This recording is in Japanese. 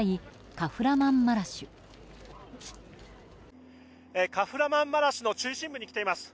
カフラマンマラシュの中心部に来ています。